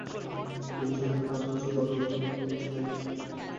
পিপাসা মেটানোর পাশাপাশি, ডাবের পানি কেন স্বাস্থ্যকর পানীয়, সেটি জেনে নেওয়া যাক।